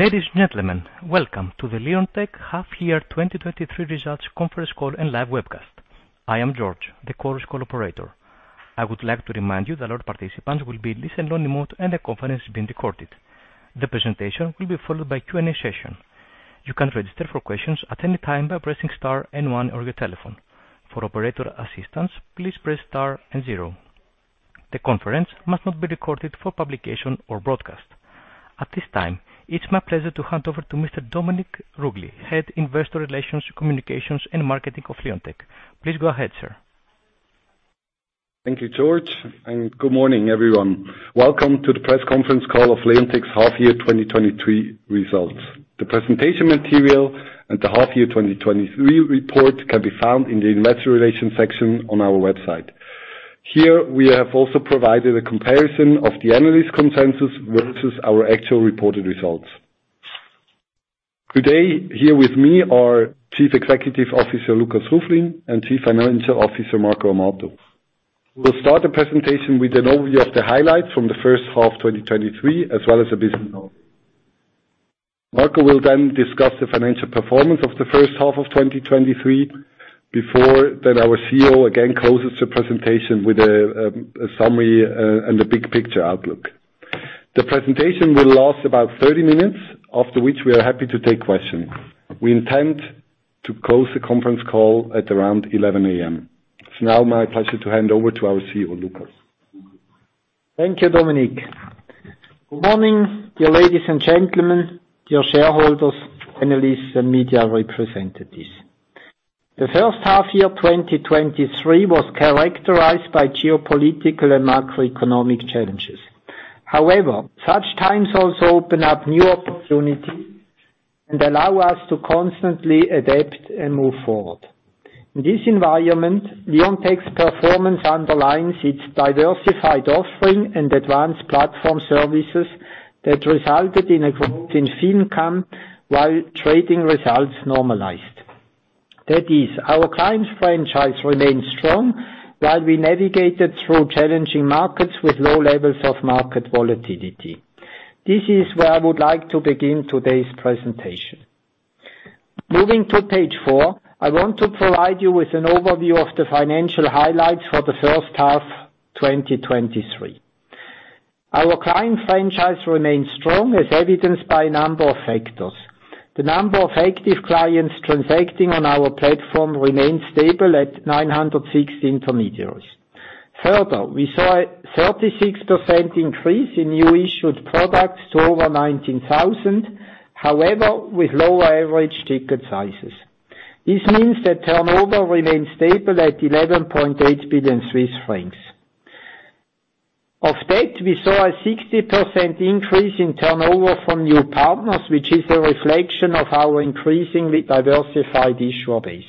Ladies and gentlemen, welcome to the Leonteq half-year 2023 Results Conference Call and Live Webcast. I am George, the conference call operator. I would like to remind you that all participants will be listen-only mode, and the conference is being recorded. The presentation will be followed by Q&A session. You can register for questions at any time by pressing star one on your telephone. For operator assistance, please press star zero. The conference must not be recorded for publication or broadcast. At this time, it's my pleasure to hand over to Mr. Dominik Ruggli, Head Investor Relations, Communications and Marketing of Leonteq. Please go ahead, sir. Thank you, George, good morning, everyone. Welcome to the Press Conference Call of Leonteq's Half-Year 2023 Results. The presentation material and the half-year 2023 report can be found in the Investor Relations section on our website. Here, we have also provided a comparison of the analyst consensus versus our actual reported results. Today, here with me are Chief Executive Officer, Lukas Ruflin, and Chief Financial Officer, Marco Amato. We'll start the presentation with an overview of the highlights from the first half of 2023, as well as the business model. Marco will then discuss the financial performance of the first half of 2023, our CEO again closes the presentation with a summary and a big picture outlook. The presentation will last about 30 minutes, after which we are happy to take questions. We intend to close the conference call at around 11:00 A.M. It's now my pleasure to hand over to our CEO, Lukas. Thank you, Dominik. Good morning, dear ladies and gentlemen, dear shareholders, analysts, and media representatives. The first half-year 2023 was characterized by geopolitical and macroeconomic challenges. However, such times also open up new opportunities and allow us to constantly adapt and move forward. In this environment, Leonteq's performance underlines its diversified offering and advanced platform services that resulted in a growth in fee income, while trading results normalized. That is, our client franchise remains strong, while we navigated through challenging markets with low levels of market volatility. This is where I would like to begin today's presentation. Moving to page 4, I want to provide you with an overview of the financial highlights for the first half 2023. Our client franchise remains strong, as evidenced by a number of factors. The number of active clients transacting on our platform remains stable at 960 intermediaries. We saw a 36% increase in new issued products to over 19,000, however, with lower average ticket sizes. This means that turnover remains stable at 11.8 billion Swiss francs. Of that, we saw a 60% increase in turnover from new partners, which is a reflection of our increasingly diversified issuer base.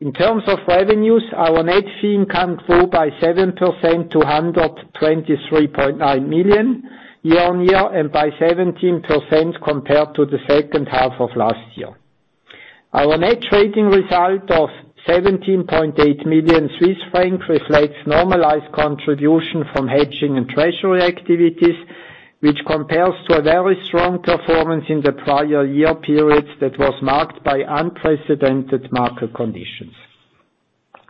In terms of revenues, our net fee income grew by 7% to 123.9 million year-on-year, and by 17% compared to the second half of last year. Our net trading result of 17.8 million Swiss francs reflects normalized contribution from hedging and treasury activities, which compares to a very strong performance in the prior year periods that was marked by unprecedented market conditions.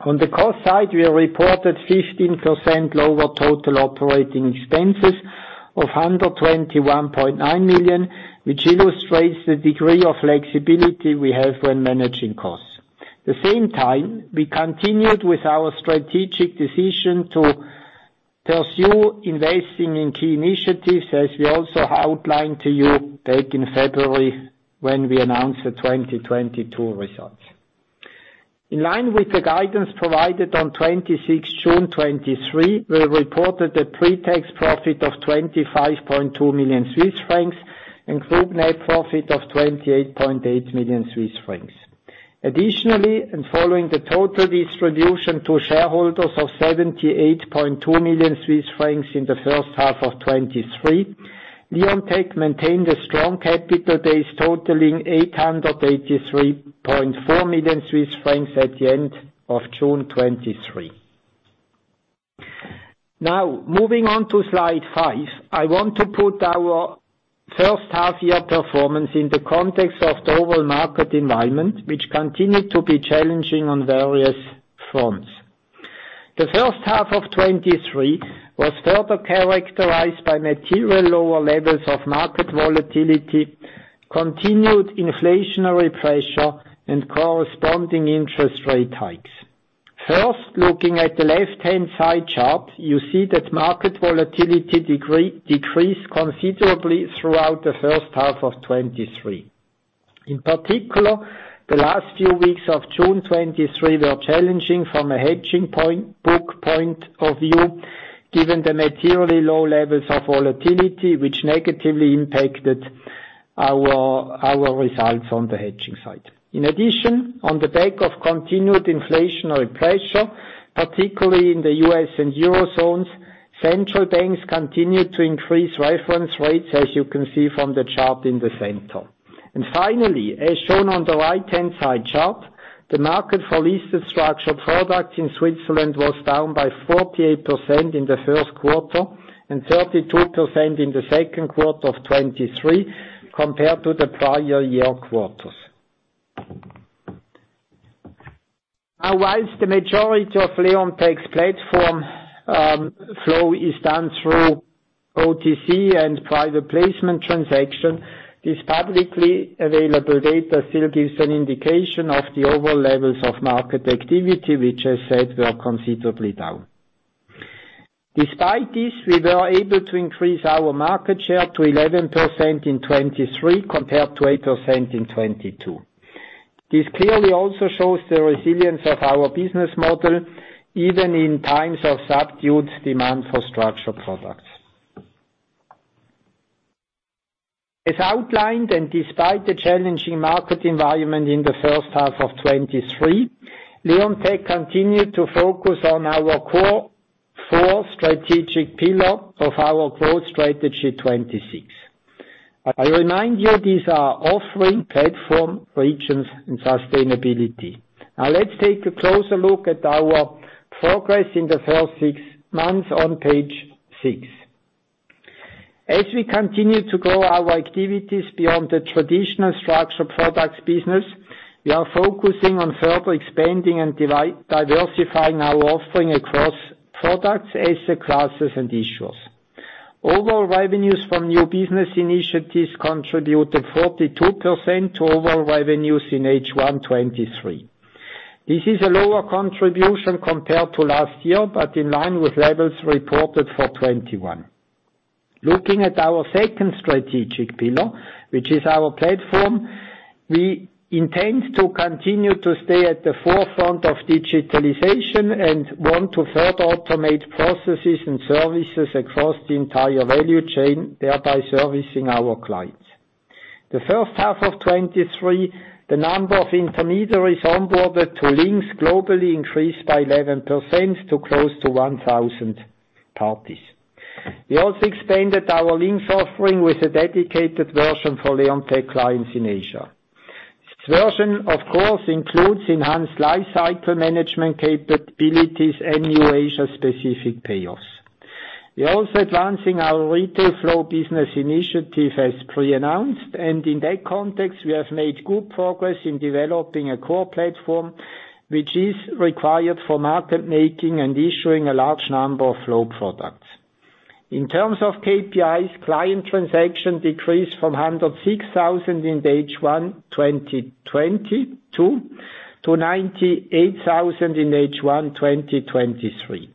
On the cost side, we reported 15% lower total operating expenses of 121.9 million, which illustrates the degree of flexibility we have when managing costs. At the same time, we continued with our strategic decision to pursue investing in key initiatives, as we also outlined to you back in February, when we announced the 2022 results. In line with the guidance provided on 26 June 2023, we reported a pre-tax profit of 25.2 million Swiss francs and group net profit of 28.8 million Swiss francs. Additionally, following the total distribution to shareholders of 78.2 million Swiss francs in the first half of 2023, Leonteq maintained a strong capital base, totaling 883.4 million Swiss francs at the end of June 2023. Moving on to slide 5, I want to put our first half-year performance in the context of the overall market environment, which continued to be challenging on various fronts. The first half of 2023 was further characterized by materially lower levels of market volatility, continued inflationary pressure, and corresponding interest rate hikes. Looking at the left-hand side chart, you see that market volatility decreased considerably throughout the first half of 2023. In particular, the last few weeks of June 2023 were challenging from a book point of view, given the materially low levels of volatility, which negatively impacted our results on the hedging side. In addition, on the back of continued inflationary pressure, particularly in the U.S. and Eurozone, central banks continued to increase reference rates, as you can see from the chart in the center. Finally, as shown on the right-hand side chart, the market for listed structured products in Switzerland was down by 48% in the first quarter, and 32% in the second quarter of 2023, compared to the prior year quarters. Whilst the majority of Leonteq's platform flow is done through OTC and private placement transactions, this publicly available data still gives an indication of the overall levels of market activity, which I said, were considerably down. Despite this, we were able to increase our market share to 11% in 2023, compared to 8% in 2022. This clearly also shows the resilience of our business model, even in times of subdued demand for structured products. As outlined, and despite the challenging market environment in the first half of 2023, Leonteq continued to focus on our core four strategic pillars of our Growth Strategy 2026. Let's take a closer look at our progress in the first six months on page 6. As we continue to grow our activities beyond the traditional structured products business, we are focusing on further expanding and diversifying our offering across products, asset classes, and issuers. Overall revenues from new business initiatives contributed 42% to overall revenues in H1 2023. This is a lower contribution compared to last year, but in line with levels reported for 2021. Looking at our second strategic pillars, which is our platform, we intend to continue to stay at the forefront of digitalization and want to further automate processes and services across the entire value chain, thereby servicing our clients. The first half of 2023, the number of intermediaries onboarded to LynQs globally increased by 11% to close to 1,000 parties. We also expanded our LynQs offering with a dedicated version for Leonteq clients in Asia. This version, of course, includes enhanced lifecycle management capabilities and new Asia-specific payoffs. We are also advancing our retail flow business initiative, as pre-announced, and in that context, we have made good progress in developing a core platform, which is required for market making and issuing a large number of flow products. In terms of KPIs, client transaction decreased from 106,000 in H1 2022 to 98,000 in H1 2023.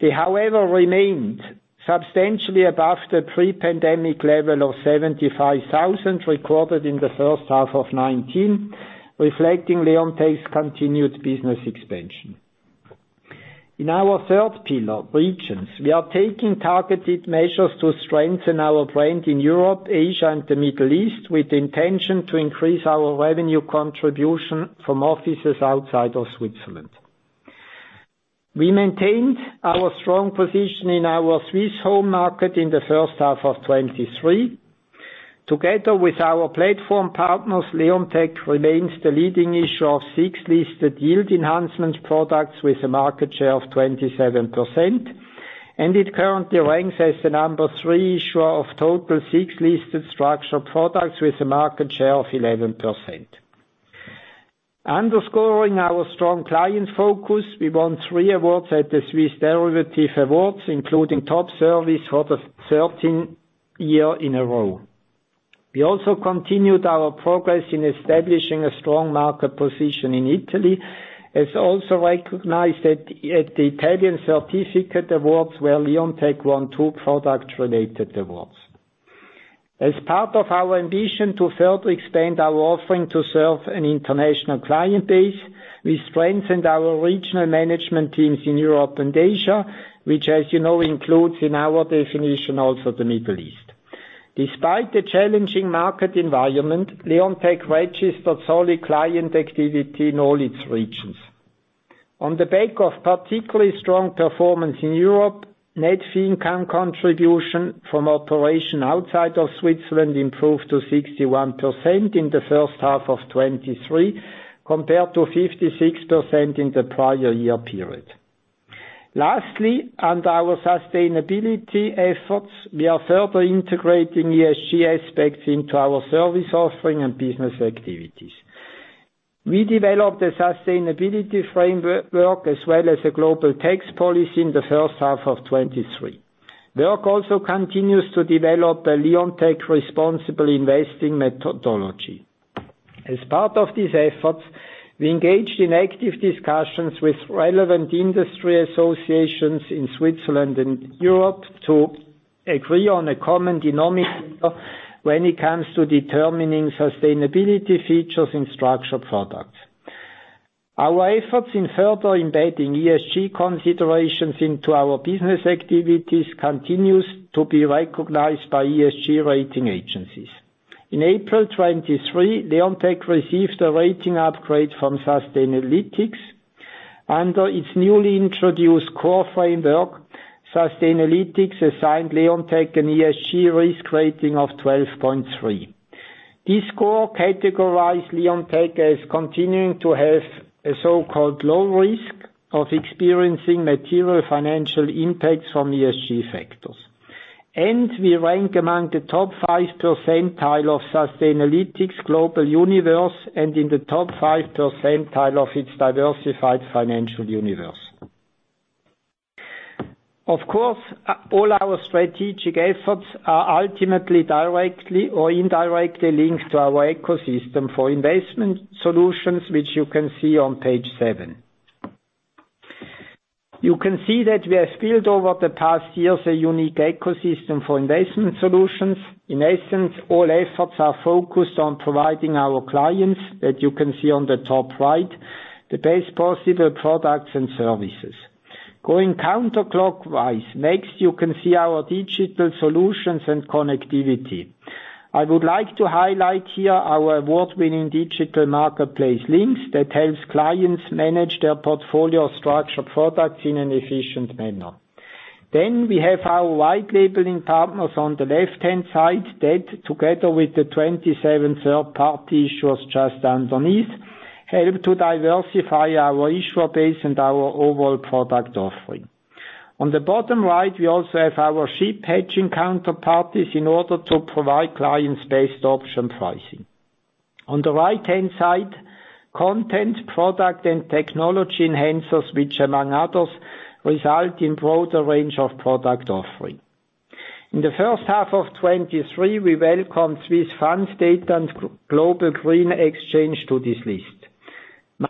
They, however, remained substantially above the pre-pandemic level of 75,000, recorded in the first half of 2019, reflecting Leonteq's continued business expansion. In our third pillar, regions, we are taking targeted measures to strengthen our brand in Europe, Asia, and the Middle East, with intention to increase our revenue contribution from offices outside of Switzerland. We maintained our strong position in our Swiss home market in the first half of 2023. Together with our platform partners, Leonteq remains the leading issuer of SIX-listed yield enhancement products, with a market share of 27%, and it currently ranks as the number three issuer of total SIX-listed structured products, with a market share of 11%. Underscoring our strong client focus, we won three awards at the Swiss Derivative Awards, including top service for the 13th year in a row. We also continued our progress in establishing a strong market position in Italy, as also recognized at the Italian Certificate Awards, where Leonteq won two product-related awards. As part of our ambition to further expand our offering to serve an international client base, we strengthened our regional management teams in Europe and Asia, which, as you know, includes in our definition, also the Middle East. Despite the challenging market environment, Leonteq registered solid client activity in all its regions. On the back of particularly strong performance in Europe, net fee income contribution from operation outside of Switzerland improved to 61% in the first half of 2023, compared to 56% in the prior year period. Under our sustainability efforts, we are further integrating ESG aspects into our service offering and business activities. We developed a sustainability framework, as well as a global tax policy in the first half of 2023. Work also continues to develop the Leonteq responsible investing methodology. As part of these efforts, we engaged in active discussions with relevant industry associations in Switzerland and Europe to agree on a common denominator when it comes to determining sustainability features in structured products. Our efforts in further embedding ESG considerations into our business activities continues to be recognized by ESG rating agencies. In April 2023, Leonteq received a rating upgrade from Sustainalytics. Under its newly introduced core framework, Sustainalytics assigned Leonteq an ESG risk rating of 12.3. This score categorized Leonteq as continuing to have a so-called low risk of experiencing material financial impacts from ESG factors. We rank among the top 5th percentile of Sustainalytics global universe, and in the top 5th percentile of its diversified financial universe. Of course, all our strategic efforts are ultimately, directly or indirectly linked to our ecosystem for investment solutions, which you can see on page 7. You can see that we have built over the past years, a unique ecosystem for investment solutions. In essence, all efforts are focused on providing our clients, that you can see on the top right, the best possible products and services. Going counter-clockwise, next you can see our digital solutions and connectivity. I would like to highlight here our award-winning digital marketplace LynQs, that helps clients manage their portfolio structured products in an efficient manner. We have our white-labeling partners on the left-hand side, that together with the 27 third-party issuers just underneath, help to diversify our issuer base and our overall product offering. On the bottom right, we also have our SHIP hedging counterparties in order to provide clients-based option pricing. On the right-hand side, content, product, and technology enhancers, which among others, result in broader range of product offering. In the first half of 2023, we welcome Swiss Fund Global Green Xchange to this list.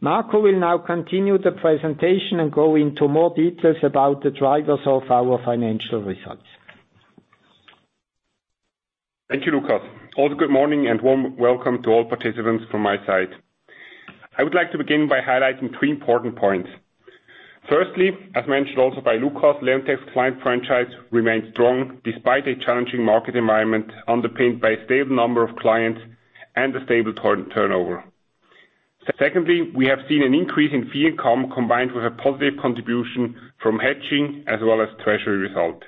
Marco will now continue the presentation and go into more details about the drivers of our financial results. Thank you, Lukas. Good morning and warm welcome to all participants from my side. I would like to begin by highlighting three important points. Firstly, as mentioned also by Lukas, Leonteq's client franchise remains strong despite a challenging market environment, underpinned by a stable number of clients and a stable turnover. Secondly, we have seen an increase in fee income, combined with a positive contribution from hedging as well as treasury results.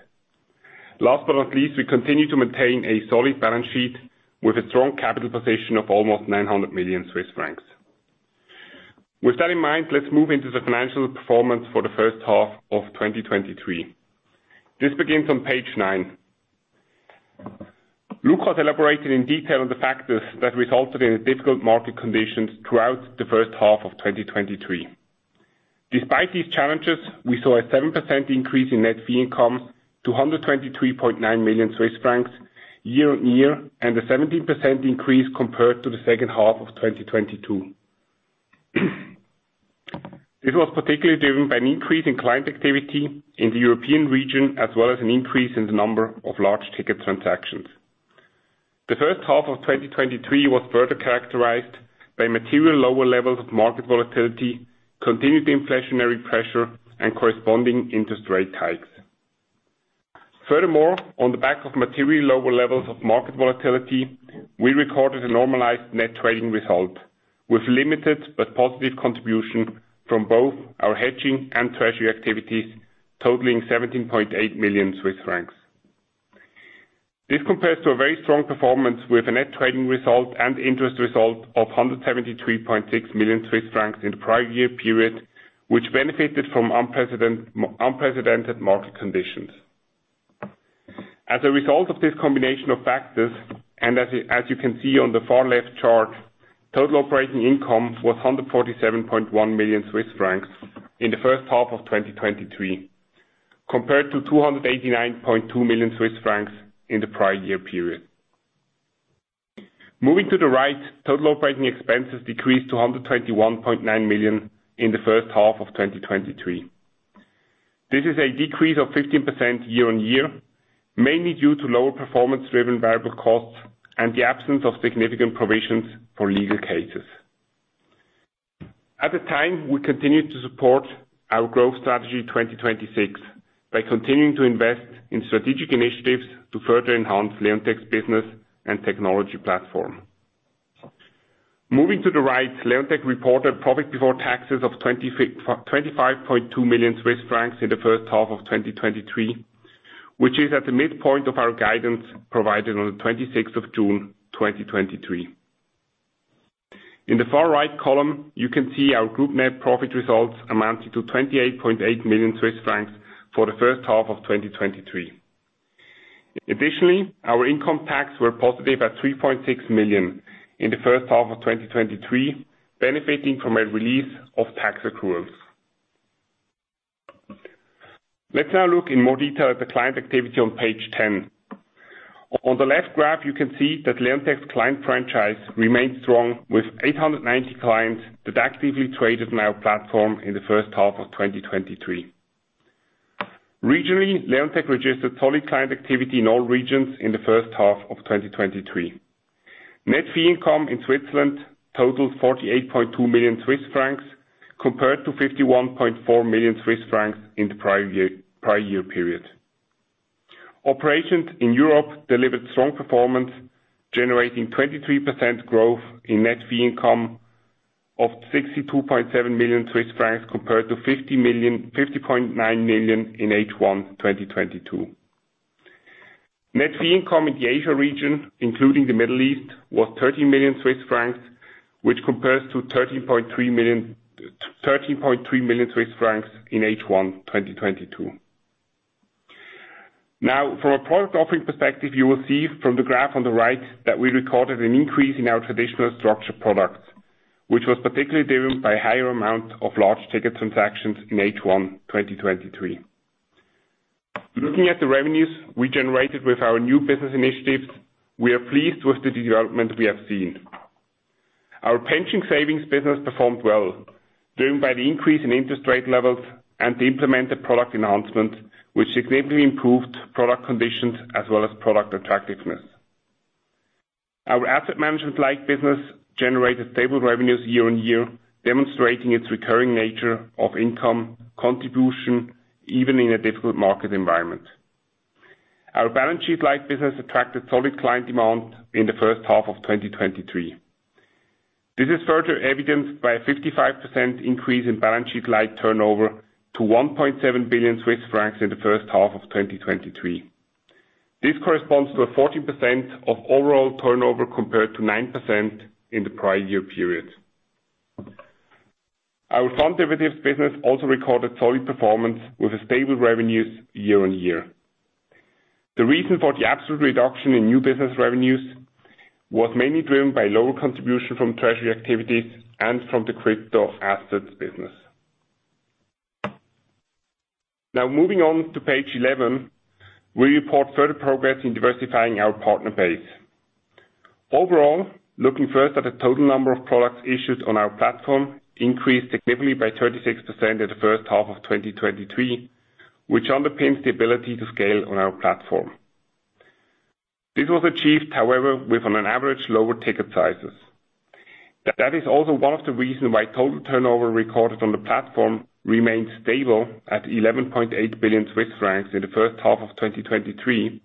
Last but not least, we continue to maintain a solid balance sheet with a strong capital position of almost 900 million Swiss francs. With that in mind, let's move into the financial performance for the first half of 2023. This begins on page 9. Lukas elaborated in detail on the factors that resulted in difficult market conditions throughout the first half of 2023. Despite these challenges, we saw a 7% increase in net fee income to 123.9 million Swiss francs year-on-year, and a 17% increase compared to the second half of 2022. This was particularly driven by an increase in client activity in the European region, as well as an increase in the number of large-ticket transactions. The first half of 2023 was further characterized by material lower levels of market volatility, continued inflationary pressure, and corresponding interest rate hikes. On the back of material lower levels of market volatility, we recorded a normalized net trading result, with limited but positive contribution from both our hedging and treasury activities, totaling 17.8 million Swiss francs. This compares to a very strong performance with a net trading result and interest result of 173.6 million Swiss francs in the prior year period, which benefited from unprecedented market conditions. As a result of this combination of factors, and as you can see on the far left chart, total operating income was 147.1 million Swiss francs in the first half of 2023, compared to 289.2 million Swiss francs in the prior year period. Moving to the right, total operating expenses decreased to 121.9 million in the first half of 2023. This is a decrease of 15% year-on-year, mainly due to lower performance-driven variable costs and the absence of significant provisions for legal cases. At the time, we continued to support our Growth Strategy 2026, by continuing to invest in strategic initiatives to further enhance Leonteq's business and technology platform. Moving to the right, Leonteq reported profit before taxes of 25.2 million Swiss francs in the first half of 2023, which is at the midpoint of our guidance provided on the 26th of June, 2023. In the far right column, you can see our group net profit results amounted to 28.8 million Swiss francs for the first half of 2023. Our income tax were positive at 3.6 million in the first half of 2023, benefiting from a release of tax accruals. Let's now look in more detail at the client activity on page 10. On the left graph, you can see that Leonteq's client franchise remains strong, with 890 clients that actively traded on our platform in the first half of 2023. Regionally, Leonteq registered solid client activity in all regions in the first half of 2023. Net fee income in Switzerland totaled 48.2 million Swiss francs, compared to 51.4 million Swiss francs in the prior year period. Operations in Europe delivered strong performance, generating 23% growth in net fee income of 62.7 million Swiss francs, compared to 50.9 million in H1 2022. Net fee income in the Asia region, including the Middle East, was 13 million Swiss francs, which compares to 13.3 million Swiss francs in H1 2022. Now, from a product offering perspective, you will see from the graph on the right, that we recorded an increase in our traditional structured products, which was particularly driven by higher amount of large-ticket transactions in H1 2023. Looking at the revenues we generated with our new business initiatives, we are pleased with the development we have seen. Our pension savings business performed well, driven by the increase in interest rate levels and the implemented product enhancements, which significantly improved product conditions as well as product attractiveness. Our asset management-like business generated stable revenues year-on-year, demonstrating its recurring nature of income contribution, even in a difficult market environment. Our balance sheet-like business attracted solid client demand in the first half of 2023. This is further evidenced by a 55% increase in balance sheet-like turnover to 1.7 billion Swiss francs in the first half of 2023. This corresponds to a 14% of overall turnover, compared to 9% in the prior year period. Our fund derivatives business also recorded solid performance with stable revenues year-on-year. The reason for the absolute reduction in new business revenues was mainly driven by lower contribution from treasury activities and from the crypto assets business. Moving on to page 11, we report further progress in diversifying our partner base. Looking first at the total number of products issued on our platform, increased significantly by 36% in the first half of 2023, which underpins the ability to scale on our platform. This was achieved, however, with on an average, lower ticket sizes. That is also one of the reasons why total turnover recorded on the platform remained stable at 11.8 billion Swiss francs in the first half of 2023,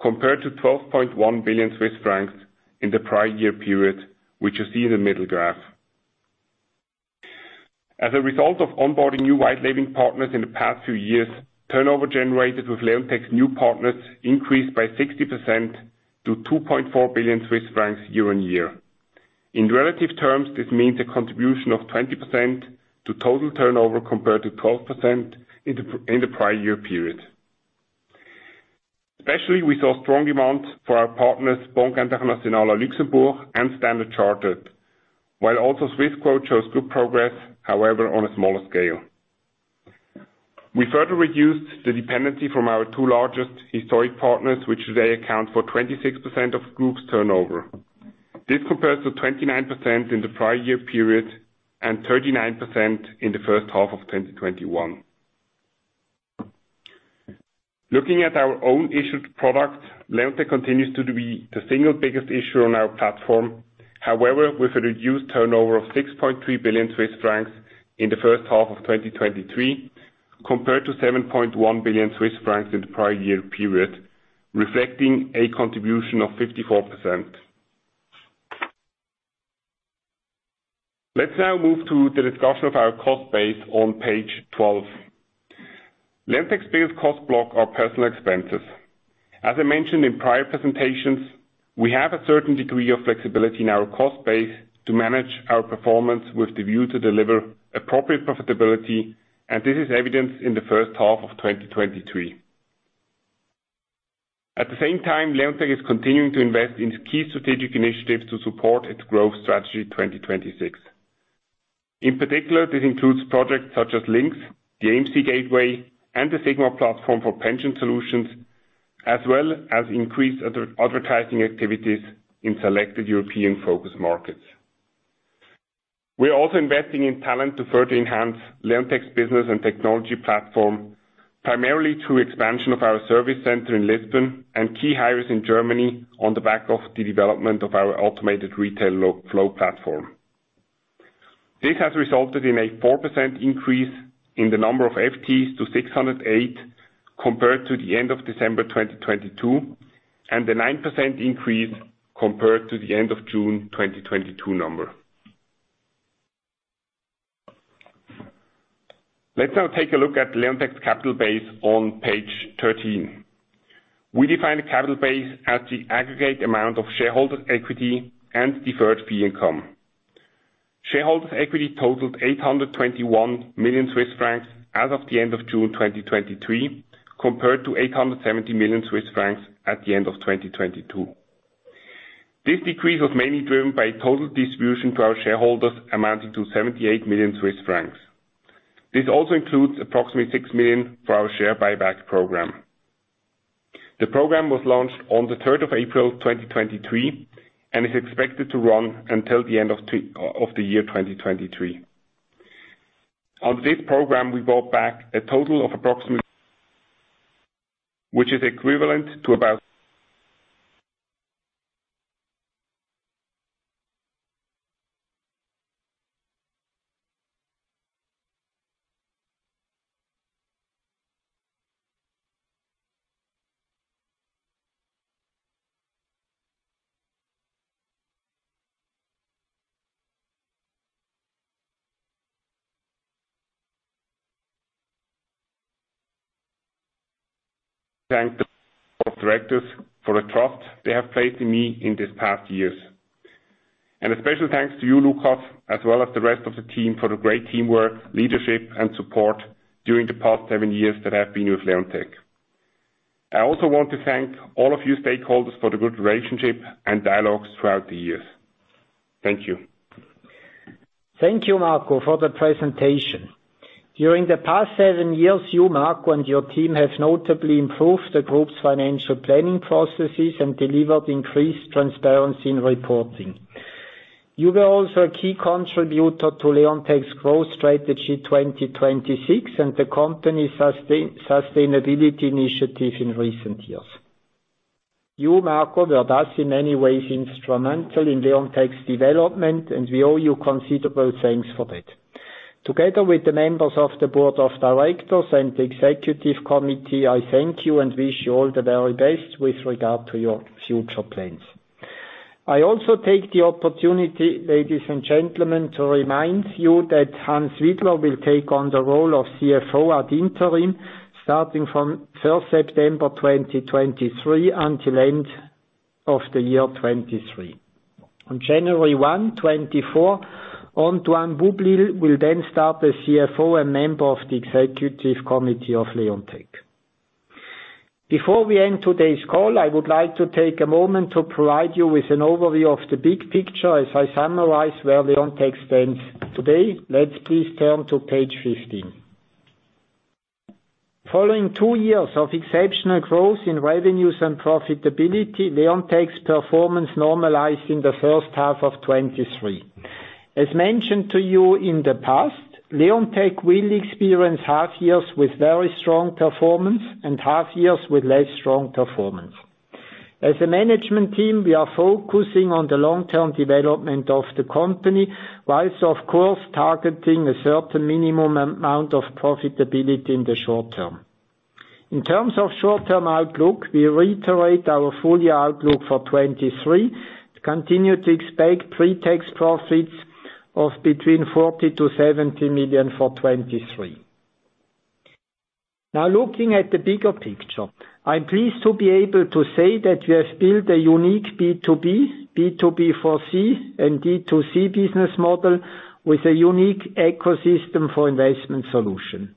compared to 12.1 billion Swiss francs in the prior year period, which you see in the middle graph. As a result of onboarding new white-labeling partners in the past few years, turnover generated with Leonteq's new partners increased by 60% to 2.4 billion Swiss francs year-on-year. In relative terms, this means a contribution of 20% to total turnover, compared to 12% in the prior year period. Especially, we saw strong demand for our partners, Banque Internationale à Luxembourg, and Standard Chartered, while also Swissquote shows good progress, however, on a smaller scale. We further reduced the dependency from our two largest historic partners, which today account for 26% of Group's turnover. This compares to 29% in the prior year period, and 39% in the first half of 2021. Looking at our own issued products, Leonteq continues to be the single biggest issuer on our platform. With a reduced turnover of 6.3 billion Swiss francs in the first half of 2023, compared to 7.1 billion Swiss francs in the prior year period, reflecting a contribution of 54%. Let's now move to the discussion of our cost base on page 12. Leonteq's biggest cost block are personal expenses. As I mentioned in prior presentations, we have a certain degree of flexibility in our cost base to manage our performance with the view to deliver appropriate profitability, and this is evidenced in the first half of 2023. At the same time, Leonteq is continuing to invest in key strategic initiatives to support its Growth Strategy 2026. In particular, this includes projects such as LynQs, the AMC Gateway, and the SIGMA platform for pension solutions, as well as increased advertising activities in selected European focus markets. We are also investing in talent to further enhance Leonteq's business and technology platform, primarily through expansion of our service center in Lisbon and key hires in Germany on the back of the development of our automated retail flow platform. This has resulted in a 4% increase in the number of FTEs to 608, compared to the end of December 2022, and a 9% increase compared to the end of June 2022 number. Let's now take a look at Leonteq's capital base on page 13. We define the capital base as the aggregate amount of shareholder equity and deferred fee income. Shareholders' equity totaled 821 million Swiss francs as of the end of June 2023, compared to 870 million Swiss francs at the end of 2022. This decrease was mainly driven by total distribution to our shareholders, amounting to 78 million Swiss francs. This also includes approximately 6 million for our share buyback program. The program was launched on the 3rd of April 2023, and is expected to run until the end of the year 2023. Thank the Board of Directors for the trust they have placed in me in these past years. A special thanks to you, Lukas, as well as the rest of the team, for the great teamwork, leadership, and support during the past seven years that I've been with Leonteq. I also want to thank all of you stakeholders for the good relationship and dialogue throughout the years. Thank you. Thank you, Marco, for the presentation. During the past seven years, you, Marco, and your team have notably improved the Group's financial planning processes and delivered increased transparency in reporting. You were also a key contributor to Leonteq's Growth Strategy 2026, and the company's sustainability initiatives in recent years. You, Marco, were thus, in many ways, instrumental in Leonteq's development, and we owe you considerable thanks for that. Together with the members of the Board of Directors and the executive committee, I thank you and wish you all the very best with regard to your future plans. I also take the opportunity, ladies and gentlemen, to remind you that Hans Widler will take on the role of CFO ad interim, starting from 1st September 2023 until end of the year 2023. On January 1, 2024, Antoine Boublil will start as CFO and member of the executive committee of Leonteq. Before we end today's call, I would like to take a moment to provide you with an overview of the big picture as I summarize where Leonteq stands today. Let's please turn to page 15. Following two years of exceptional growth in revenues and profitability, Leonteq's performance normalized in the first half of 2023. As mentioned to you in the past, Leonteq will experience half-years with very strong performance, and half-years with less strong performance. As a management team, we are focusing on the long-term development of the company, whilst of course targeting a certain minimum amount of profitability in the short term. In terms of short-term outlook, we reiterate our full-year outlook for 2023, to continue to expect pre-tax profits of between 40 million and 70 million for 2023. Looking at the bigger picture, I'm pleased to be able to say that we have built a unique B2B, B2B4C, and D2C business model with a unique ecosystem for investment solution.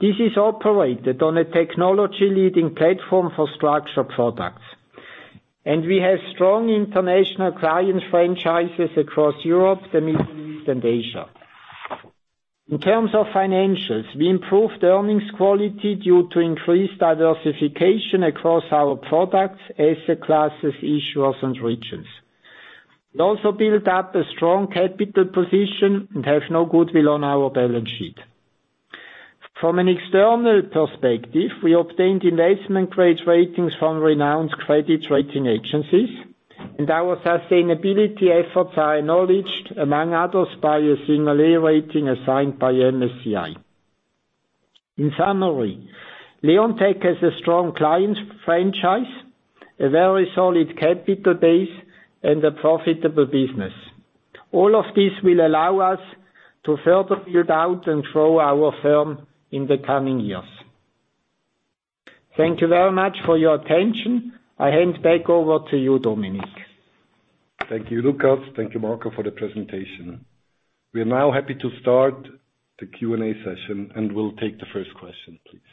This is operated on a technology-leading platform for structured products. We have strong international client franchise across Europe, the Middle East, and Asia. In terms of financials, we improved earnings quality due to increased diversification across our products, asset classes, issuers, and regions. We also built up a strong capital position and have no goodwill on our balance sheet. From an external perspective, we obtained investment-grade ratings from renowned credit rating agencies. Our sustainability efforts are acknowledged, among others, by a single rating assigned by MSCI. In summary, Leonteq has a strong client franchise, a very solid capital base, and a profitable business. All of this will allow us to further build out and grow our firm in the coming years. Thank you very much for your attention. I hand back over to you, Dominik. Thank you, Lukas. Thank you, Marco, for the presentation. We are now happy to start the Q&A session. We'll take the first question, please.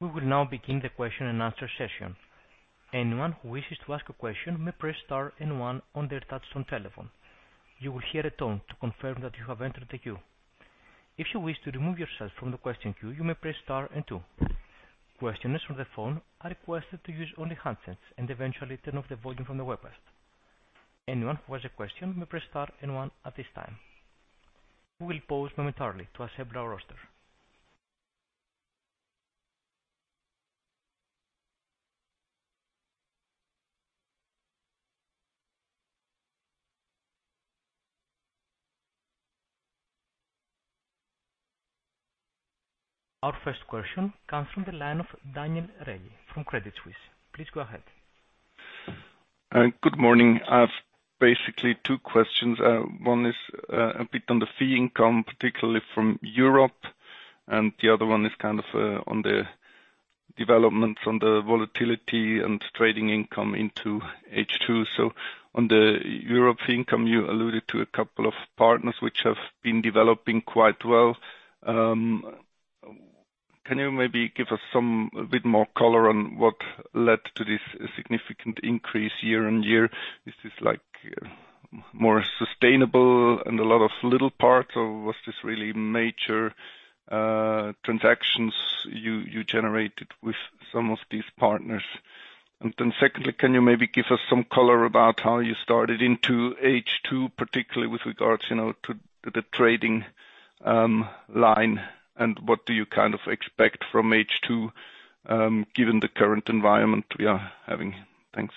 We will now begin the question and answer session. Anyone who wishes to ask a question may press star one on their touch-tone telephone. You will hear a tone to confirm that you have entered the queue. If you wish to remove yourself from the question queue, you may press star two. Questioners from the phone are requested to use only handsets, and eventually turn off the volume from the webcast. Anyone who has a question may press star one at this time. We will pause momentarily to assemble our roster. Our first question comes from the line of Daniel Rey from Credit Suisse. Please go ahead. Good morning. I have basically two questions. One is a bit on the fee income, particularly from Europe, and the other one is kind of on the development from the volatility and trading income into H2. On the Europe income, you alluded to a couple of partners which have been developing quite well. Can you maybe give us a bit more color on what led to this significant increase year-on-year? Is this, like, more sustainable and a lot of little parts, or was this really major transactions you generated with some of these partners? Secondly, can you maybe give us some color about how you started into H2, particularly with regards, you know, to the trading line, and what do you kind of expect from H2 given the current environment we are having? Thanks.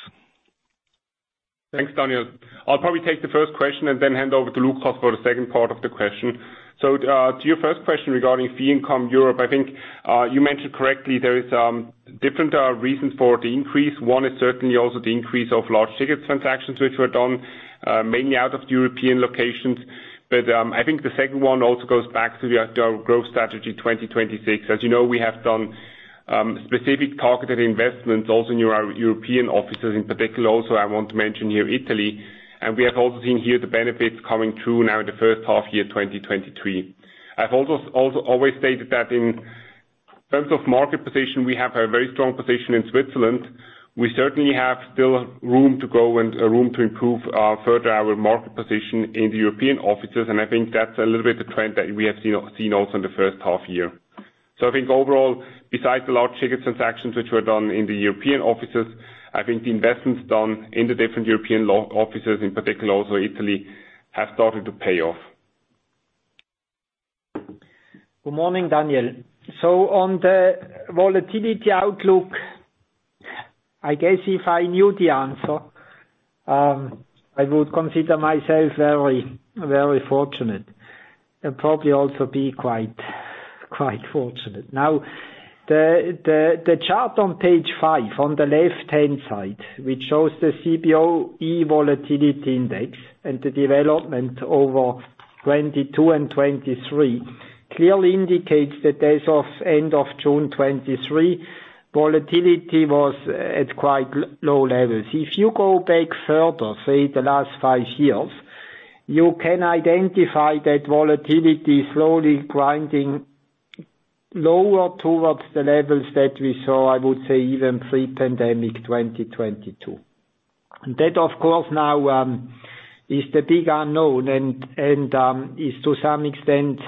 Thanks, Daniel. I'll probably take the first question and then hand over to Lukas for the second part of the question. To your first question regarding fee income Europe, I think you mentioned correctly there is different reasons for the increase. One is certainly also the increase of large-ticket transactions, which were done mainly out of European locations. I think the second one also goes back to our Growth Strategy 2026. As you know, we have done specific targeted investments also in our European offices in particular. Also, I want to mention here, Italy, and we have also seen here the benefits coming through now in the first half-year, 2023. I've also always stated that in terms of market position, we have a very strong position in Switzerland. We certainly have still room to grow and room to improve, further our market position in the European offices. I think that's a little bit the trend that we have seen also in the first half-year. I think overall, besides the large-ticket transactions which were done in the European offices, I think the investments done in the different European law offices, in particular also Italy, have started to pay off. Good morning, Daniel. On the volatility outlook, I guess if I knew the answer, I would consider myself very fortunate, and probably also be quite fortunate. The chart on page 5, on the left-hand side, which shows the CBOE Volatility Index and the development over 2022 and 2023, clearly indicates that as of end of June 2023, volatility was at quite low levels. If you go back further, say, the last five years, you can identify that volatility is slowly grinding lower towards the levels that we saw, I would say even pre-pandemic 2022. That, of course, now, is the big unknown and is to some extent,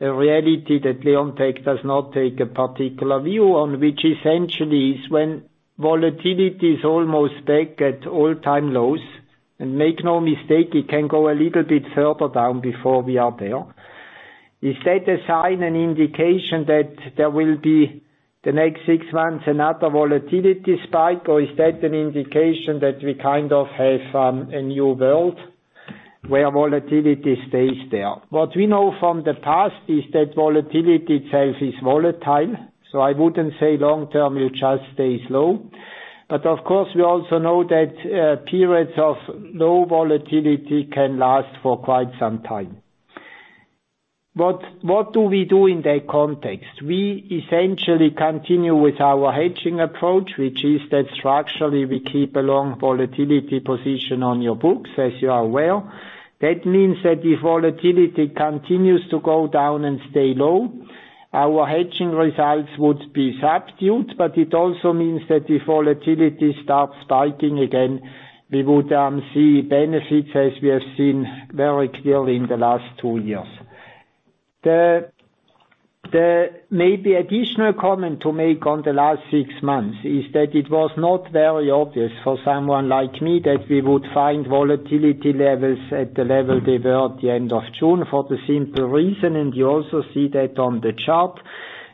a reality that Leonteq does not take a particular view on, which essentially is when volatility is almost back at all-time lows. Make no mistake, it can go a little bit further down before we are there. Is that a sign, an indication, that there will be, the next six months, another volatility spike? Is that an indication that we kind of have a new world where volatility stays there? What we know from the past is that volatility itself is volatile, so I wouldn't say long term, it just stays low. Of course, we also know that periods of low volatility can last for quite some time. What do we do in that context? We essentially continue with our hedging approach, which is that structurally we keep a long volatility position on your books, as you are aware. That means that if volatility continues to go down and stay low, our hedging results would be subdued, but it also means that if volatility starts spiking again, we would see benefits, as we have seen very clearly in the last two years. The maybe additional comment to make on the last six months, is that it was not very obvious for someone like me, that we would find volatility levels at the level they were at the end of June, for the simple reason, and you also see that on the chart,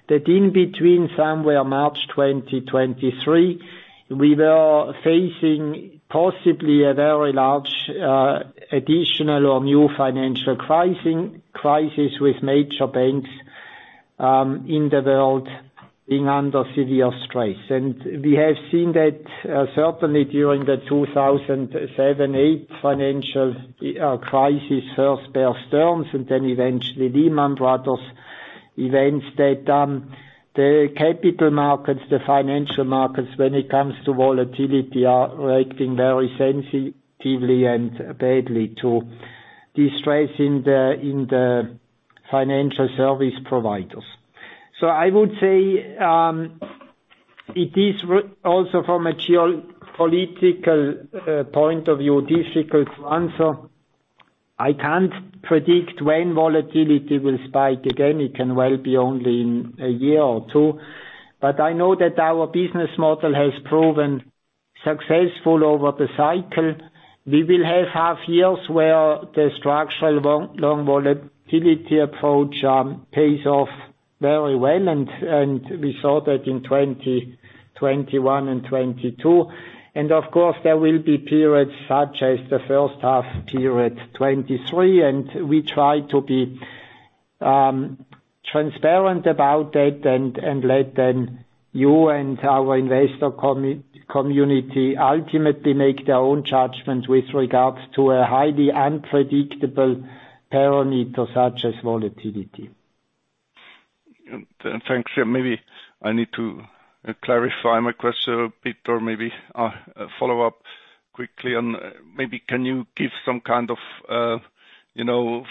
that in between somewhere March 2023, we were facing possibly a very large additional or new financial crisis with major banks in the world being under severe stress. We have seen that, certainly during the 2007, 2008 financial crisis, first Bear Stearns and then eventually Lehman Brothers, events that the capital markets, the financial markets, when it comes to volatility, are reacting very sensitively and badly to the stress in the financial service providers. I would say, it is also from a geopolitical point of view, difficult to answer. I can't predict when volatility will spike again. It can well be only in a year or two. I know that our business model has proven successful over the cycle. We will have half-years where the structural long, long volatility approach pays off very well, and we saw that in 2021 and 2022. Of course, there will be periods such as the first half period, 2023, and we try to be transparent about that and let then you and our investor community, ultimately make their own judgments with regards to a highly unpredictable parameter such as volatility. Thanks. Maybe I need to clarify my question a bit, or maybe follow up quickly on. Maybe can you give some kind of, you know,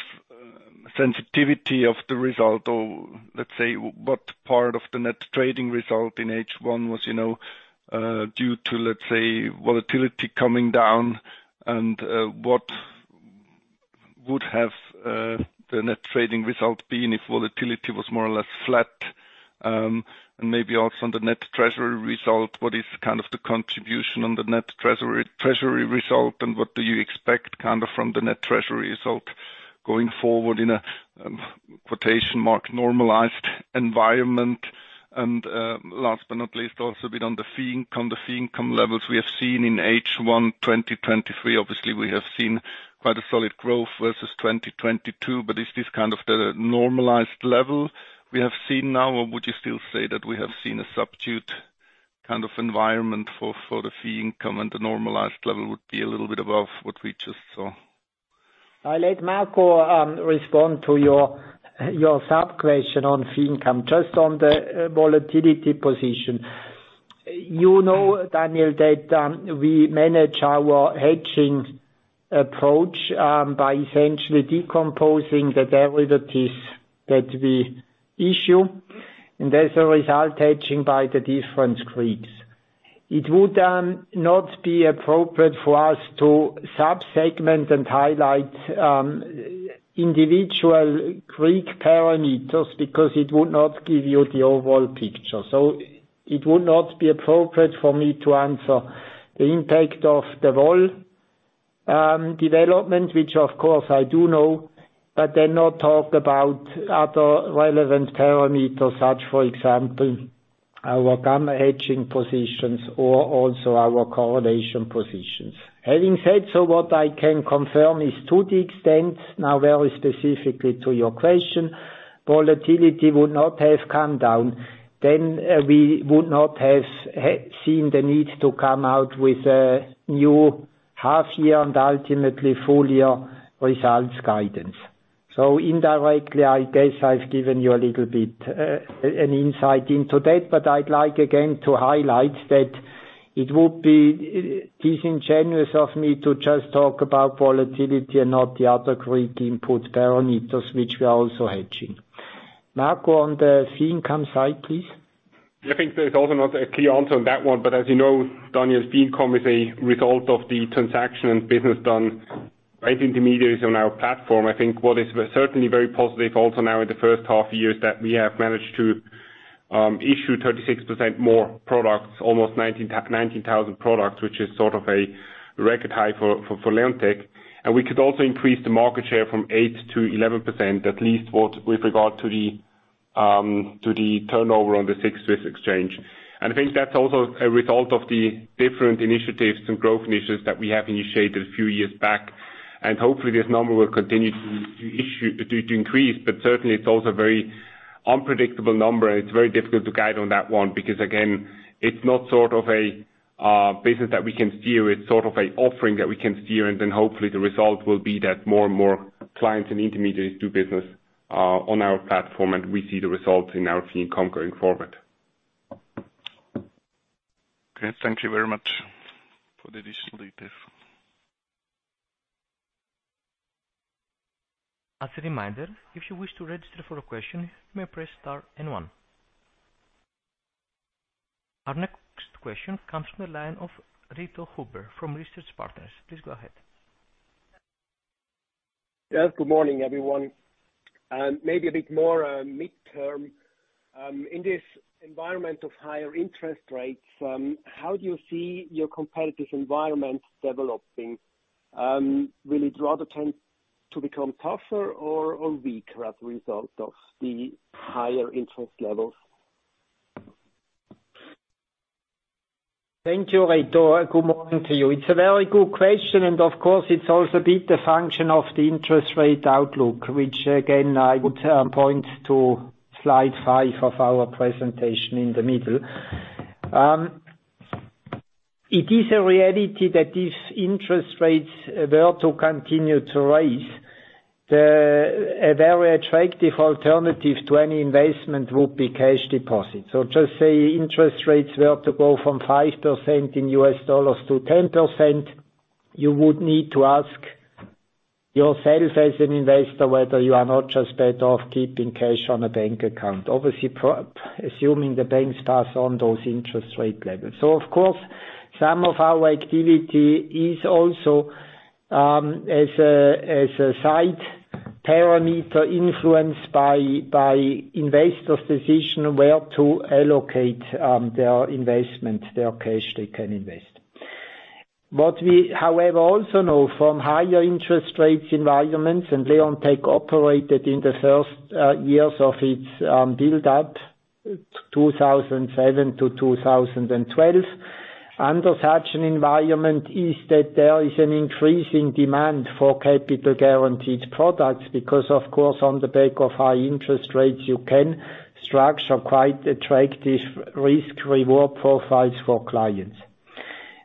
sensitivity of the result, or let's say, what part of the net trading result in H1 was, you know, due to, let's say, volatility coming down, and what would have the net trading result been if volatility was more or less flat? Maybe also on the net treasury results, what is kind of the contribution on the net treasury results, and what do you expect kind of from the net treasury results going forward in a quotation mark, normalized environment? Last but not least, also a bit on the fee income, the fee income levels we have seen in H1 2023. Obviously, we have seen quite a solid growth versus 2022, but is this kind of the normalized level we have seen now, or would you still say that we have seen a subdued kind of environment for the fee income, and the normalized level would be a little bit above what we just saw? I'll let Marco respond to your sub-question on fee income. Just on the volatility position, you know, Daniel, that we manage our hedging approach by essentially decomposing the derivatives that we issue, and as a result, hedging by the different Greeks. It would not be appropriate for us to sub-segment and highlight individual Greek parameters, because it would not give you the overall picture. It would not be appropriate for me to answer the impact of the vol development, which of course I do know, but then not talk about other relevant parameters, such, for example, our gamma hedging positions or also our correlation positions. Having said, what I can confirm is to the extent, now very specifically to your question, volatility would not have come down, then we would not have had seen the need to come out with a new half-year and ultimately full-year results guidance. Indirectly, I guess I've given you a little bit an insight into that, but I'd like again to highlight that it would be disingenuous of me to just talk about volatility and not the other Greek input parameters, which we are also hedging. Marco, on the fee income side, please. I think there's also not a clear answer on that one, but as you know, Daniel, fee income is a result of the transaction and business done by intermediaries on our platform. I think what is certainly very positive also now in the first half-year, is that we have managed to issue 36% more products, almost 19,000 products, which is sort of a record high for Leonteq. We could also increase the market share from 8% to 11%, at least with regard to the turnover on the SIX Swiss Exchange. I think that's also a result of the different initiatives and growth initiatives that we have initiated a few years back. Hopefully this number will continue to increase, but certainly it's also a very unpredictable number, and it's very difficult to guide on that one, because again, it's not sort of a business that we can steer. It's sort of a offering that we can steer, and then hopefully the result will be that more and more clients and intermediaries do business on our platform, and we see the results in our fee income going forward. Great. Thank you very much for the additional detail. As a reminder, if you wish to register for a question, you may press star and 1. Our next question comes from the line of Reto Huber from Research Partners. Please go ahead. Good morning, everyone. Maybe a bit more, midterm. In this environment of higher interest rates, how do you see your competitive environment developing? Will it rather tend to become tougher or weaker as a result of the higher interest levels? Thank you, Reto, good morning to you. It's a very good question, and of course, it's also a bit the function of the interest rate outlook, which again, I would point to slide 5 of our presentation in the middle. It is a reality that if interest rates were to continue to rise, a very attractive alternative to any investment would be cash deposits. Just say interest rates were to go from 5% in US dollars to 10%, you would need to ask yourself as an investor, whether you are not just better off keeping cash on a bank account. Obviously, assuming the banks pass on those interest rate levels. Of course, some of our activity is also as a side parameter influenced by investors' decision where to allocate their investment, their cash they can invest. What we, however, also know from higher interest rate environments, and Leonteq operated in the first years of its build-up, 2007 to 2012, under such an environment, is that there is an increasing demand for capital guaranteed products, because of course, on the back of high interest rates, you can structure quite attractive risk-reward profiles for clients.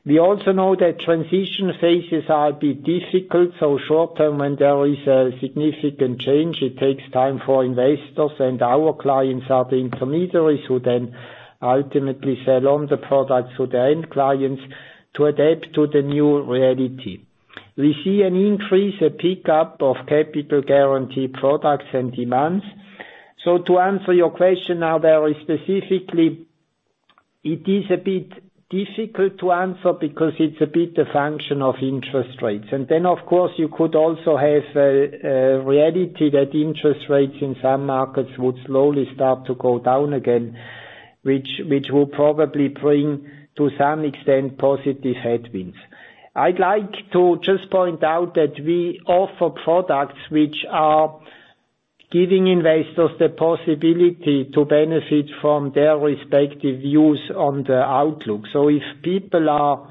We also know that transition phases are a bit difficult, short term, when there is a significant change, it takes time for investors and our clients are the intermediaries, who then ultimately sell on the products to the end clients to adapt to the new reality. We see an increase, a pickup of capital guarantee products and demands. To answer your question now very specifically, it is a bit difficult to answer because it's a bit a function of interest rates. Then, of course, you could also have a reality that interest rates in some markets would slowly start to go down again, which will probably bring, to some extent, positive headwinds. I'd like to just point out that we offer products which are giving investors the possibility to benefit from their respective views on the outlook. If people are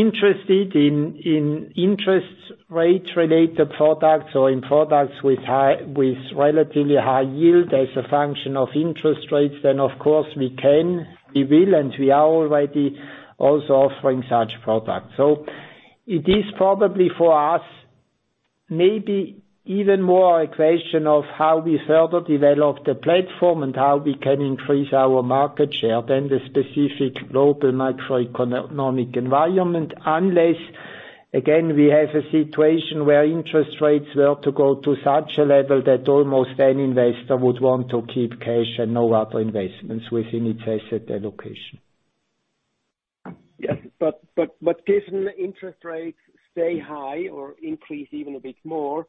interested in interest rate-related products or in products with relatively high yield as a function of interest rates, then of course we can, we will, and we are already also offering such products. It is probably for us, maybe even more a question of how we further develop the platform and how we can increase our market share than the specific global macroeconomic environment. Unless, again, we have a situation where interest rates were to go to such a level that almost any investor would want to keep cash and no other investments within its asset allocation. Yes, given interest rates stay high or increase even a bit more,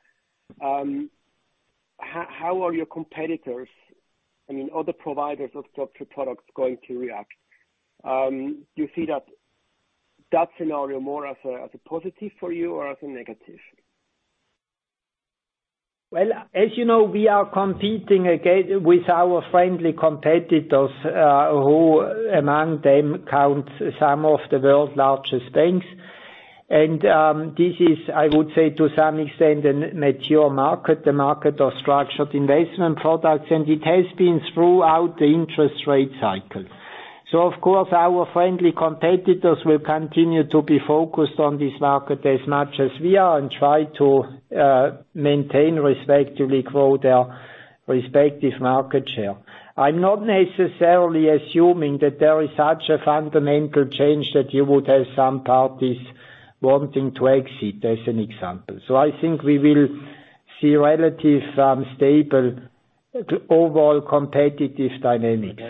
how are your competitors, I mean, other providers of structured products, going to react? Do you see that scenario more as a positive for you or as a negative? As you know, we are competing again with our friendly competitors, who among them count some of the world's largest banks. This is, I would say, to some extent, a mature market, the market of structured investment products, and it has been throughout the interest rate cycle. Of course, our friendly competitors will continue to be focused on this market as much as we are and try to maintain, respectively, grow their respective market share. I'm not necessarily assuming that there is such a fundamental change that you would have some parties wanting to exit, as an example. I think we will see relatively stable overall competitive dynamics.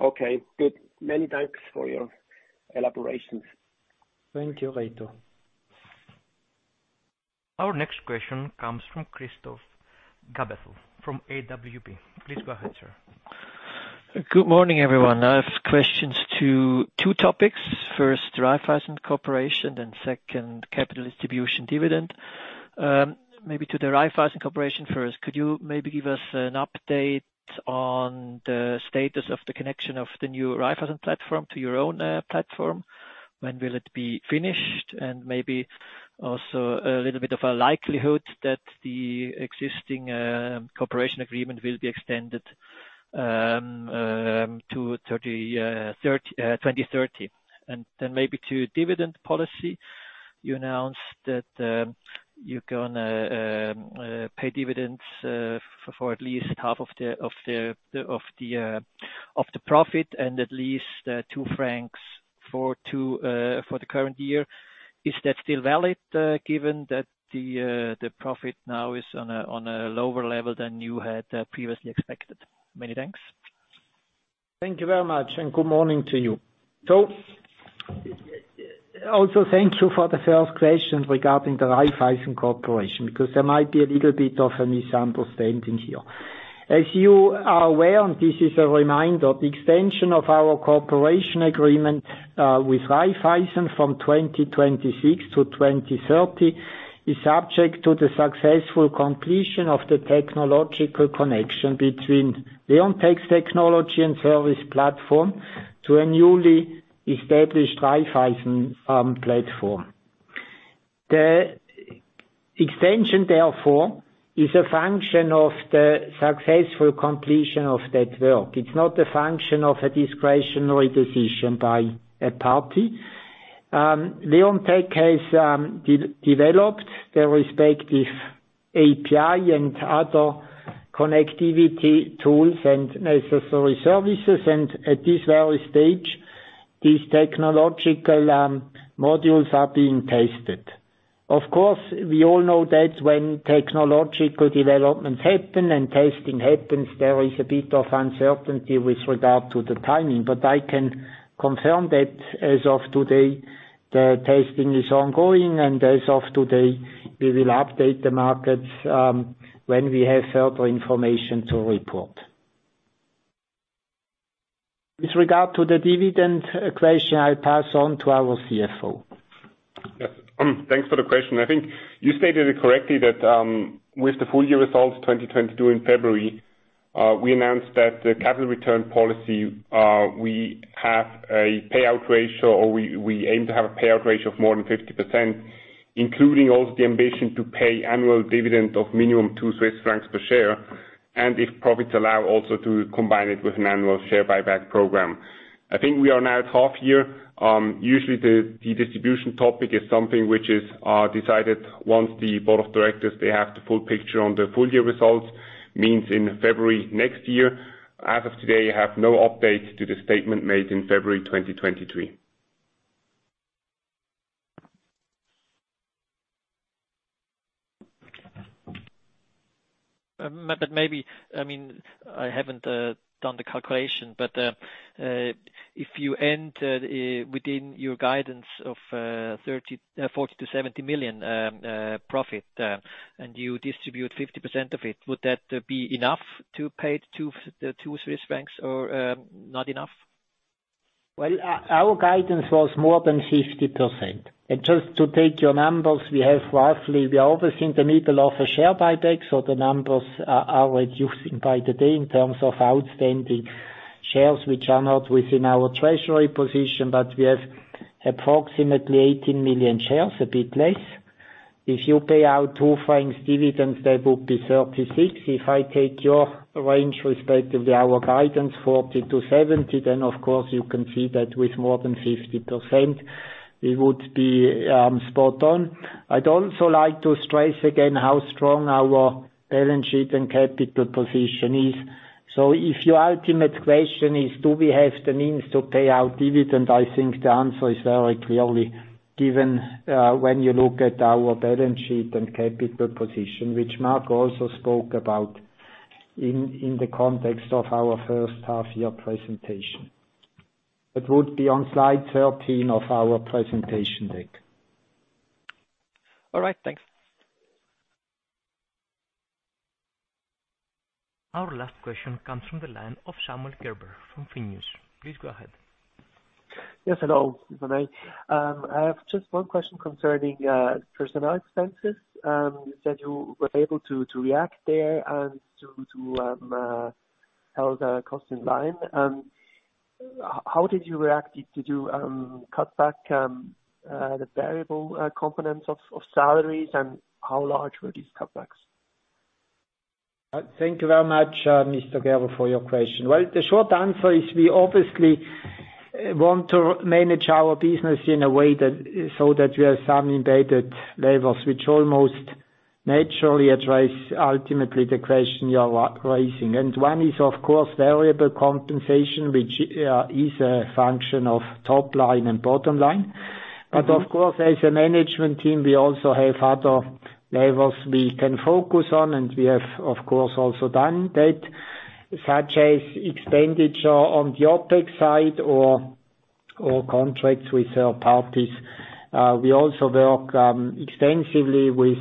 Okay, good. Many thanks for your elaborations. Thank you, Reto. Our next question comes from Christoph Gaberthüel, from AWP. Please go ahead, sir. Good morning, everyone. I have questions to two topics. First, Raiffeisen Group, second, capital distribution dividend. Maybe to the Raiffeisen Group first, could you maybe give us an update on the status of the connection of the new Raiffeisen platform to your own platform? When will it be finished, maybe also a little bit of a likelihood that the existing cooperation agreement will be extended to 2030. Maybe to dividend policy, you announced that you're gonna pay dividends for at least half of the profit, and at least 2 francs for the current year. Is that still valid, given that the profit now is on a lower level than you had previously expected? Many thanks. Thank you very much, good morning to you. Also, thank you for the first question regarding the Raiffeisen Group, because there might be a little bit of a misunderstanding here. As you are aware, this is a reminder, the extension of our cooperation agreement with Raiffeisen from 2026 to 2030, is subject to the successful completion of the technological connection between Leonteq's technology and service platform to a newly established Raiffeisen platform. The extension, therefore, is a function of the successful completion of that work. It's not a function of a discretionary decision by a party. Leonteq has developed the respective API and other connectivity tools and necessary services, at this very stage, these technological modules are being tested. Of course, we all know that when technological developments happen and testing happens, there is a bit of uncertainty with regard to the timing. I can confirm that as of today, the testing is ongoing, and as of today, we will update the market, when we have further information to report. With regard to the dividend question, I pass on to our CFO. Yes, thanks for the question. I think you stated it correctly, that with the full-year results 2022 in February, we announced that the capital return policy, we have a payout ratio, or we aim to have a payout ratio of more than 50%, including also the ambition to pay annual dividend of minimum 2 Swiss francs per share, and if profits allow, also to combine it with an annual share buyback program. I think we are now at half-year. Usually the distribution topic is something which is decided once the Board of Directors, they have the full picture on the full-year results, means in February next year. As of today, I have no update to the statement made in February 2023. maybe I haven't done the calculation, if you end within your guidance of 40 million-70 million profit and you distribute 50% of it, would that be enough to pay the 2 Swiss francs or not enough? Well, our guidance was more than 50%. Just to take your numbers, we have roughly, we are always in the middle of a share buyback, so the numbers are reducing by the day in terms of outstanding shares, which are not within our treasury position. We have approximately 18 million shares, a bit less. If you pay out 2 francs dividends, that would be 36. If I take your range respectively, our guidance, 40-70, then of course you can see that with more than 50%, we would be spot on. I'd also like to stress again how strong our balance sheet and capital position is. If your ultimate question is, do we have the means to pay out dividend? I think the answer is very clearly given, when you look at our balance sheet and capital position, which Marco also spoke about in the context of our first half-year presentation. It would be on slide 13 of our presentation deck. All right, thanks. Our last question comes from the line of Samuel Gerber from Finews. Please go ahead. Yes, hello, good morning. I have just one question concerning personnel expenses. You said you were able to react there and to hold our costs in line. How did you react? Did you cut back the variable components of salaries, and how large were these cutbacks? Thank you very much, Mr. Gerber, for your question. Well, the short answer is we obviously want to manage our business in a way that, so that we have some embedded levers, which almost naturally address ultimately the question you are raising. One is, of course, variable compensation, which is a function of top line and bottom line. Of course, as a management team, we also have other levels we can focus on, and we have, of course, also done that, such as expenditure on the OpEx side or contracts with third parties. We also work extensively with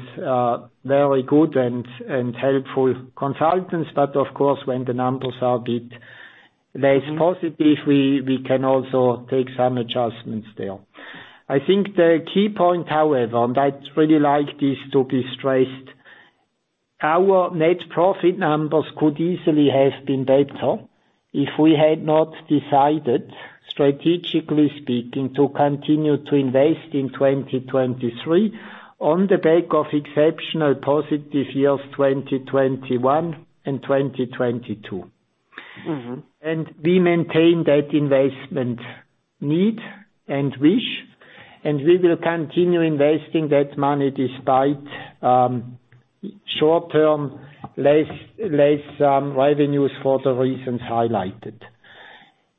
very good and helpful consultants, but of course, when the numbers are a bit less positive, we can also take some adjustments there. I think the key point, however, and I'd really like this to be stressed, our net profit numbers could easily have been better if we had not decided, strategically speaking, to continue to invest in 2023 on the back of exceptional positive years, 2021 and 2022. We maintain that investment need and wish, and we will continue investing that money despite short-term, less revenues for the reasons highlighted.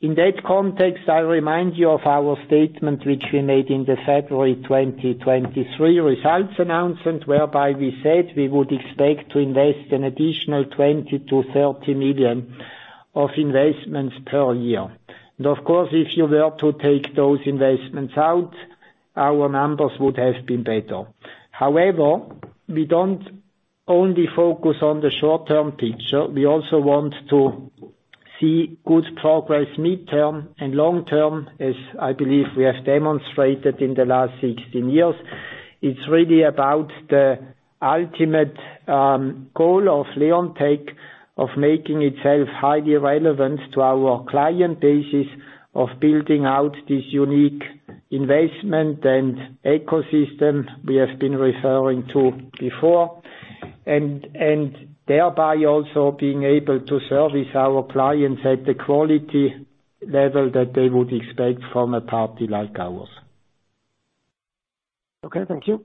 In that context, I'll remind you of our statement, which we made in the February 2023 results announcement, whereby we said we would expect to invest an additional 20 million-30 million of investments per year. Of course, if you were to take those investments out, our numbers would have been better. However, we don't only focus on the short-term picture, we also want to see good progress mid-term and long-term, as I believe we have demonstrated in the last 16 years. It's really about the ultimate goal of Leonteq, of making itself highly relevant to our client base, of building out this unique investment and ecosystem we have been referring to before, and thereby also being able to service our clients at the quality level that they would expect from a party like ours. Okay, thank you.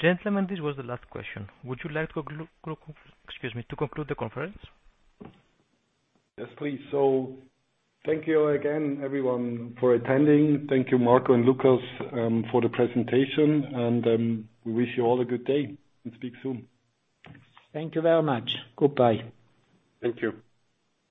Gentlemen, this was the last question. Would you like to Excuse me, to conclude the conference? Yes, please. Thank you again, everyone, for attending. Thank you, Marco and Lukas, for the presentation. We wish you all a good day and speak soon. Thank you very much. Goodbye. Thank you.